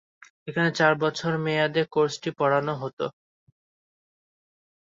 এখানে চার বছর মেয়াদে কোর্সটি পড়ানো হতো।